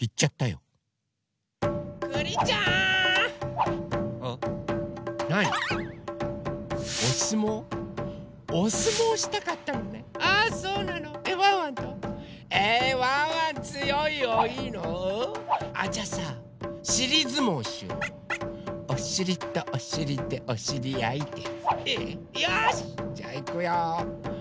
よしじゃあいくよ！